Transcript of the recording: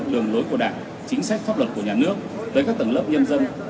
đường lối của đảng chính sách pháp luật của nhà nước tới các tầng lớp nhân dân